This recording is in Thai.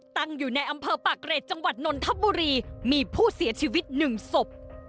ตั้งอยู่ในอำเภอปากเกรดจังหวัดนนทบุรีมีผู้เสียชีวิตหนึ่งศพ